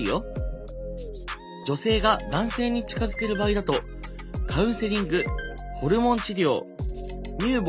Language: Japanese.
女性が男性に近づける場合だとカウンセリングホルモン治療乳房